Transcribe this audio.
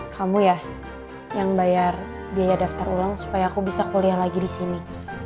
kamu ya yang bayar biaya daftar ulang supaya aku bisa kuliah lagi di sini